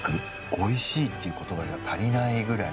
おいしいっていう言葉じゃ足りないくらい。